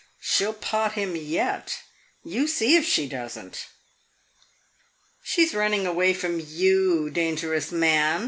She 'll pot him yet; you see if she does n't!" "She is running away from you, dangerous man!"